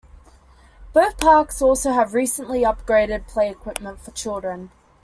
Both parks also have recently upgraded play equipment for children.